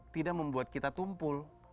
tidak membuat kita tumpul